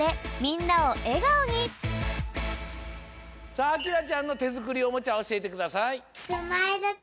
さああきらちゃんのてづくりおもちゃおしえてください！